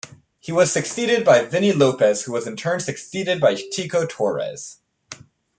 He was succeeded by Vini Lopez who was in turn succeeded by Tico Torres.